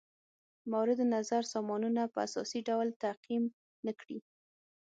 مورد نظر سامانونه په اساسي ډول تعقیم نه کړي.